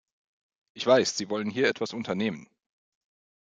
Ich weiß, Sie wollen hier etwas unternehmen.